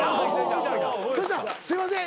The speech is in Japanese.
そしたらすいません